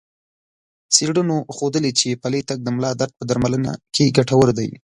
څېړنو ښودلي چې پلی تګ د ملا درد په درملنه کې ګټور دی.